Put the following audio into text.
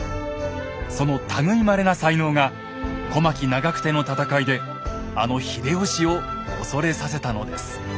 その類いまれな才能が小牧・長久手の戦いであの秀吉を恐れさせたのです。